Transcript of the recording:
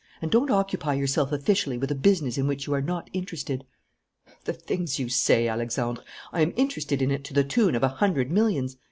And don't occupy yourself officially with a business in which you are not interested." "The things you say, Alexandre! I am interested in it to the tune of a hundred millions.